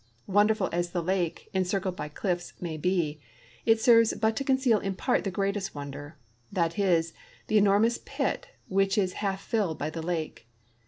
Won derful as the lake, encircled b}^ cliffs, may be, it serves but to conceal in part the greatest wonder — tliat is, the enormous pit which is half filled by the lake.